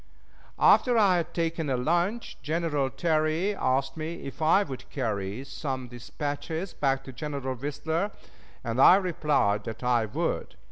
After I had taken a lunch, General Terry asked me if I would carry some dispatches back to General Whistler, and I replied that I would.